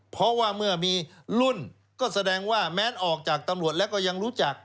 เพราะว่าเมื่อมีรุ่นก็แสดงว่าแม้ออกจากตำรวจแล้วก็ยังรู้จัก